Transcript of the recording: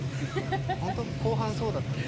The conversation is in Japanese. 本当後半そうだったね。